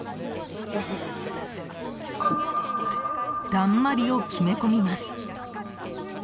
だんまりを決め込みます。